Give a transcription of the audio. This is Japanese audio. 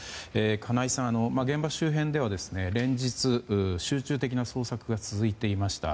金井さん、現場周辺では連日、集中的な捜索が続いていました。